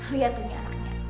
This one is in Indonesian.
lihat tuh nyaranya